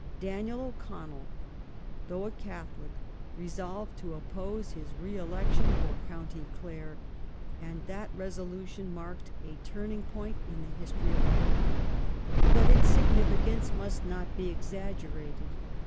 Daniel O'Connell, though a Catholic, resolved to oppose his re election for County Clare, and that resolution marked a turning point in the history of Ireland.^ But its significance must not be exaggerated.